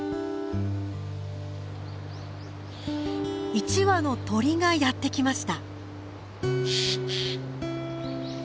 一羽の鳥がやって来ました。